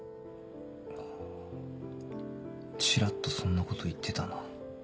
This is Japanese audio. あぁちらっとそんなこと言ってたな。